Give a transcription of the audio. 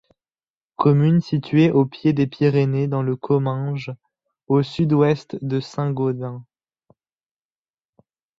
Commune située au pied des Pyrénées dans le Comminges, au sud-ouest de Saint-Gaudens.